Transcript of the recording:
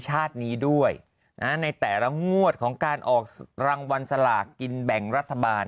ชาตินี้ด้วยในแต่ละงวดของการออกรางวัลสลากกินแบ่งรัฐบาล